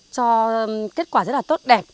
cho kết quả rất là tốt đẹp